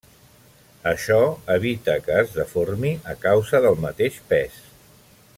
Això evita que es deformi a causa del mateix pes.